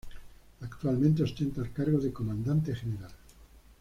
Actualmente ostenta el cargo de comandante general.